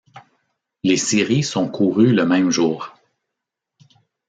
Les séries sont courues le même jour.